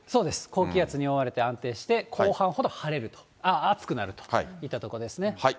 高気圧に覆われて安定して、後半ほど晴れると、暑くなるといったところですね。